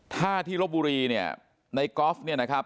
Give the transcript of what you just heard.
ถ้าที่โรบบุรีในกอล์ฟ